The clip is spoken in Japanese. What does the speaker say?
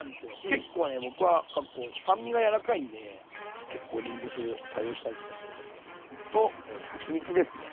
結構ね僕は酸味が柔らかいんで結構りんご酢多用したりとかするんですけどとはちみつですね。